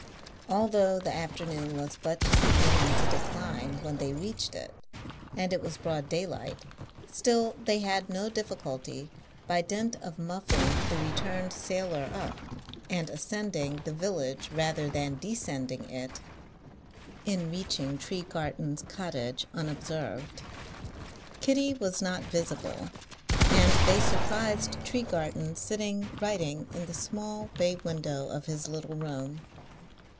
Although the afternoon was but just beginning to decline when they reached it, and it was broad day light, still they had no difficulty, by dint of muffing the returned sailor up, and ascending the village rather than descending it, in reaching Tregarthen's cottage unobserved. Kitty was not visible, and they surprised Tregarthen sitting writing in the small bay window of his little room.